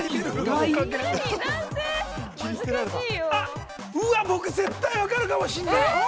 ◆あっ、うわっ、僕、絶対分かるかもしんない。